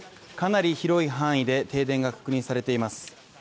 かなり広い範囲で停電が確認されています。